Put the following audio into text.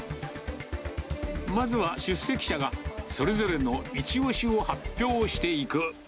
まずは、出席者がそれぞれの一押しを発表していく。